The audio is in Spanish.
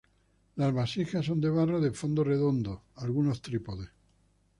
Las vasijas son de barro de fondo redondo, algunos trípodes.